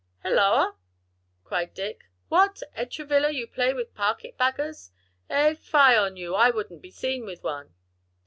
"Hilloa!" cried Dick, "what! Ed Travilla, you play with carpet baggers, eh? fie on you! I wouldn't be seen with one."